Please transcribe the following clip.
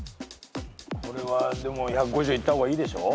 これはでも１５０いった方がいいでしょう？